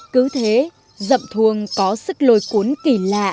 cứ thế dậm thuồng có sức lôi cuốn kỳ lạ